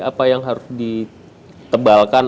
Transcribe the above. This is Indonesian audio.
apa yang harus ditebalkan